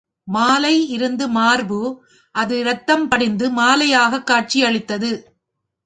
மாலை இருந்த மார்பு அது இரத்தம் படிந்து மாலையாகக் காட்சி அளித்தது.